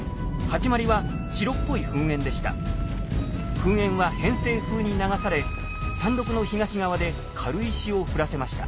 噴煙は偏西風に流され山麓の東側で軽石を降らせました。